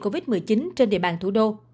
covid một mươi chín trên địa bàn thủ đô